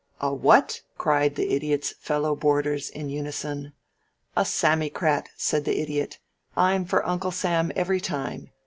"A what?" cried the Idiot's fellow boarders in unison. "A Sammycrat," said the Idiot. "I'm for Uncle Sam every time.